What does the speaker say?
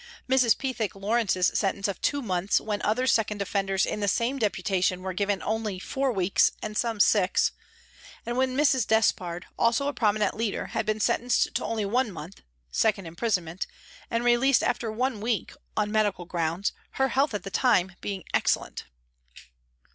Mrs. Pe thick Law rence's sentence of two months when other second offenders in the same Deputation were given only four weeks and some six, and when Mrs. Despard, also a prominent leader, had been sentenced to only one month (second imprisonment) and released after one week " on medical grounds," her health at the time being excellent.